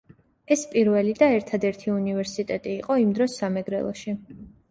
ეს პირველი და ერთადერთი უნივერსიტეტი იყო იმ დროს სამეგრელოში.